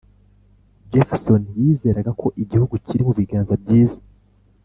jefferson yizeraga ko igihugu kiri mu biganza byiza.